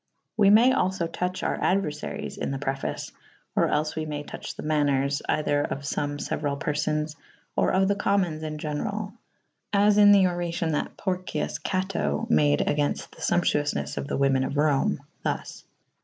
We mav alfo touche our aduerfaryes in the preface / or els we majr [D i b] touche the maners / either of Ibme feuerall per fons / or of the commons in general. As in the oracyon that Por cyus Cato made agaynfte the fumptuoufnes of the women of Rome / thus.'